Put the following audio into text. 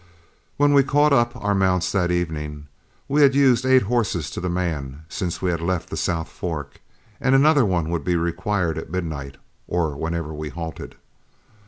When we caught up our mounts that evening, we had used eight horses to the man since we had left the South Fork, and another one would be required at midnight, or whenever we halted.